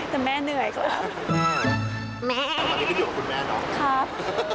แต่แม่เหนื่อยครับ